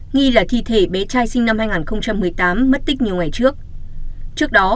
nghi là thi thể bé trai sinh năm hai nghìn một mươi tám mất tích nhiều ngày trước đó